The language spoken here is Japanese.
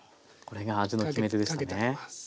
これが味の決め手でしたね。